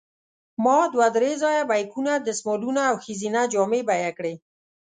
ما دوه درې ځایه بیکونه، دستمالونه او ښځینه جامې بیه کړې.